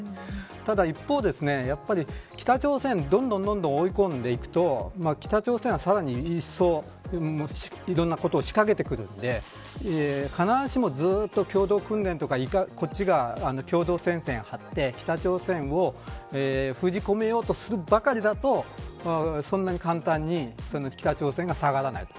ただ、一方北朝鮮どんどん追い込んでいくと北朝鮮は、さらにより一層いろんなことを仕掛けてくるので必ずしもずっと共同訓練とか、こっちが共同戦線を張って、北朝鮮を封じ込めようとするばかりだとそんなに簡単に北朝鮮が下がらない。